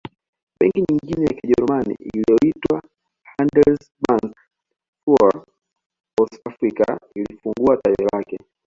Benki nyingine ya Kijerumani iliyoitwa Handelsbank fuer Ostafrika ilifungua tawi lake